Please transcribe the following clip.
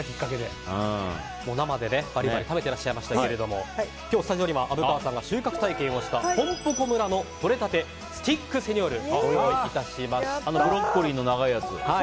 生でバリバリ食べていらっしゃいましたが今日スタジオには虻川さんが収穫体験をしたぽんぽこ村のとれたてスティックセニョールをブロッコリーの長いやつ？